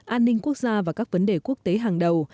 an ninh quốc gia và các vấn đề quốc tế hàng đầu